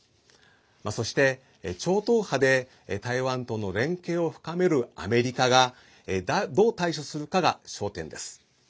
そして、超党派で台湾との連携を深めるアメリカがどう対処するかが焦点です。